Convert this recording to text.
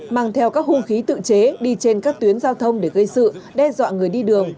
mang theo các hung khí tự chế đi trên các tuyến giao thông để gây sự đe dọa người đi đường